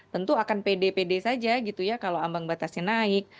tentu akan pede pede saja gitu ya kalau ambang batasnya naik